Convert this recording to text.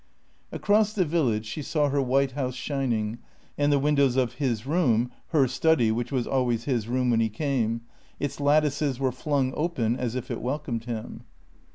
Across the village she saw her white house shining, and the windows of his room (her study, which was always his room when he came); its lattices were flung open as if it welcomed him.